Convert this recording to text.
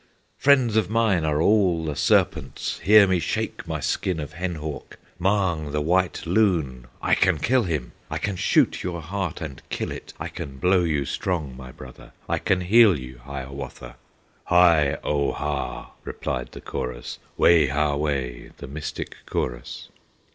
Friends of mine are all the serpents! Hear me shake my skin of hen hawk! Mahng, the white loon, I can kill him; I can shoot your heart and kill it! I can blow you strong, my brother, I can heal you, Hiawatha !" "Hi au ha!" replied the chorus, "Wayhaway!" the mystic chorus.